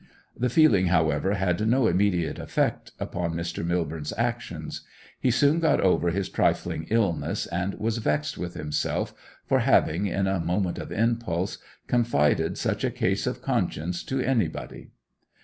The feeling, however, had no immediate effect upon Mr. Millborne's actions. He soon got over his trifling illness, and was vexed with himself for having, in a moment of impulse, confided such a case of conscience to anybody.